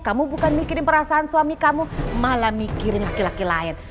kamu bukan mikirin perasaan suami kamu malah mikirin laki laki lain